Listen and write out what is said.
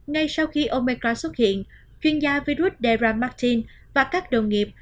ngay sau khi omicron xuất hiện chuyên gia virus debra martin và các đồng nghiệp